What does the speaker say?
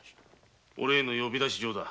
おれへの呼び出し状だ。